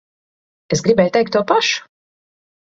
Es gribēju teikt to pašu.